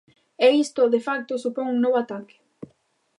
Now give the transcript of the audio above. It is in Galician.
E isto, de facto, supón un novo ataque.